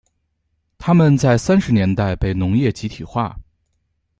他们在三十年代被农业集体化。